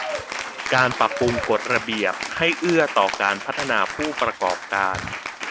การปรับปรุงกฎระเบียบให้เอื้อต่อการพัฒนาผู้ประกอบการ